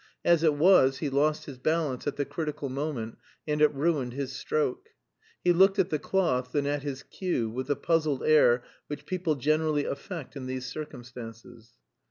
As it was, he lost his balance at the critical moment, and it ruined his stroke. He looked at the cloth, then at his cue, with the puzzled air which people generally affect in these circumstances.